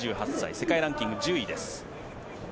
世界ランキング、１０位です。